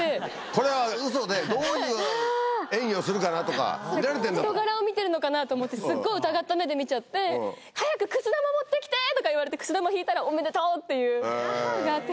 これはウソでどういう演技をするかなとか見られてんだと。と思ってすっごい疑った目で見ちゃって早くくす玉持ってきて！とか言われてくす玉引いたらおめでとう！っていうのがあって。